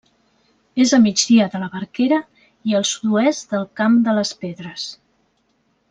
És a migdia de la Barquera i al sud-oest del Camp de les Pedres.